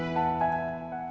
mulai dari sekolah